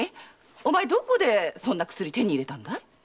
お前どこでそんな薬手に入れたんだい？